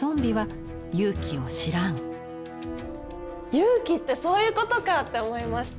「勇気」ってそういうことか！って思いました。